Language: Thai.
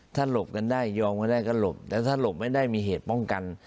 ถ้าหลบกันได้ยอมกันได้ก็หลบแต่ถ้าหลบไม่ได้มีเหตุป้องกัน